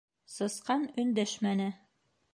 Сысҡан өндәшмәне.